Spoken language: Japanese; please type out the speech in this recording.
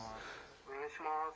お願いします。